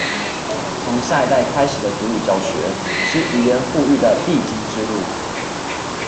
從下一代開始的族語教學，是語言復育的必經之路